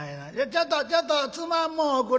ちょっとちょっとつまむもんおくれ」。